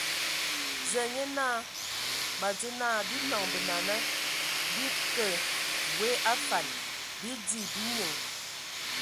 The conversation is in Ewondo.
Zǝa nye naa mǝ adzo naa, bii nɔŋ benana, bii kǝ w a afan, bii di, bii nyinŋ!